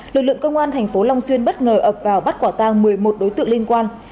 lực lượng công an thành phố long xuyên bất ngờ ập vào bắt quả tang một mươi một đối tượng liên quan